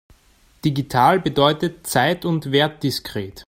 Digital bedeutet zeit- und wertdiskret.